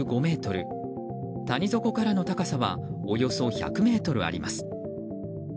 谷底からの高さはおよそ１００ｍあります。